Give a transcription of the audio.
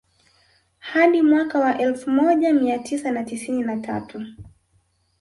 Hadi mwaka wa elfu moja mia tisa na tisini na tatu